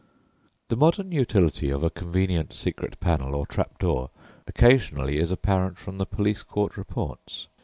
The modern utility of a convenient secret panel or trap door occasionally is apparent from the police court reports.